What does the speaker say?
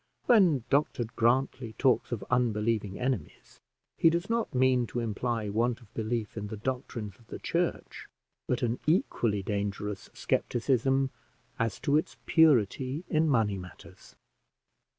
When Dr Grantly talks of unbelieving enemies, he does not mean to imply want of belief in the doctrines of the church, but an equally dangerous scepticism as to its purity in money matters.